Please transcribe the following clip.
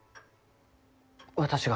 私が？